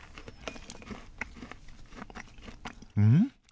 うん？